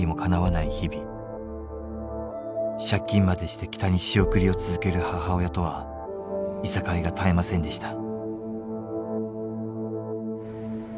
借金までして北に仕送りを続ける母親とはいさかいが絶えませんでした。